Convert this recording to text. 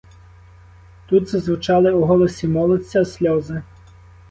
Тут зазвучали у голосі молодця сльози.